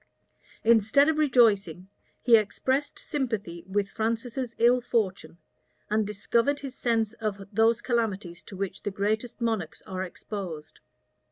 Instead of rejoicing, he expressed sympathy with Francis's ill fortune, and discovered his sense of those calamities to which the greatest monarchs are exposed.